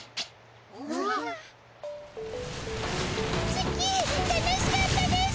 ツッキー楽しかったです！